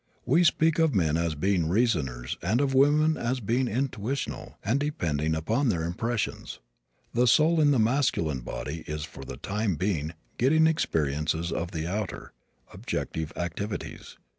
We speak of men as being reasoners and of women as being intuitional and depending upon their impressions. The soul in the masculine body is for the time being getting experiences of the outer, objective activities.